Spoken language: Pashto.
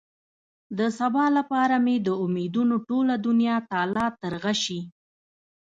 د سبا لپاره مې د امېدونو ټوله دنيا تالا ترغه شي.